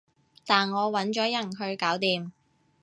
但我搵咗人去搞掂